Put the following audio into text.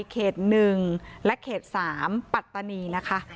เขต๑และเขต๓ปัตตานีนะคะ